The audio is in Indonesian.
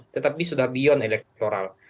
tetapi sudah beyond elektoral